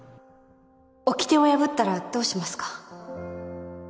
掟を破ったらどうしますか？